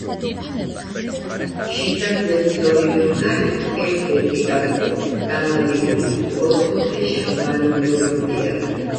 შესასვლელის ორივე მხარეს, ერთ ვერტიკალზე განლაგებული ოთხ-ოთხი შეღრმავებული რომბია.